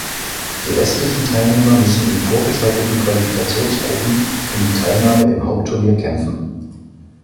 Die restlichen Teilnehmer müssen in vorgeschalteten Qualifikationsgruppen um die Teilnahme im Hauptturnier kämpfen.